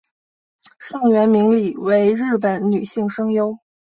上原明里为日本女性声优。